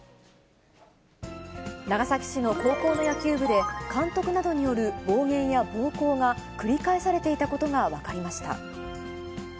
長崎市の高校の野球部で、監督などによる暴言や暴行が繰り返されていたことが分かりました。